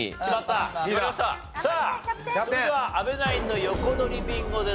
さあそれでは阿部ナインの横取りビンゴです。